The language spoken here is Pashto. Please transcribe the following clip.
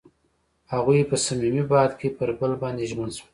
هغوی په صمیمي باد کې پر بل باندې ژمن شول.